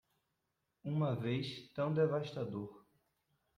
Uma vez tão devastador